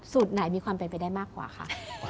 ไหนมีความเป็นไปได้มากกว่าค่ะ